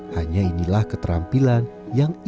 hanya inilah keterampilan yang ia